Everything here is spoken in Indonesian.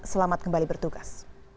selamat kembali bertugas